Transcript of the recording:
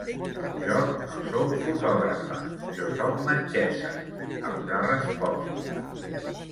Jo no sóc fotògrafa, jo sóc metgessa, els ha respost.